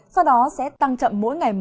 sau đó sẽ tăng chậm mỗi ngày một độ